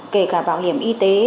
kể cả bảo hiểm y tế